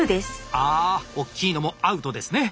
ああおっきいのもアウトですね。